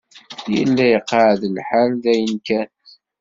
Yella iqeɛɛed lḥal dayen kan.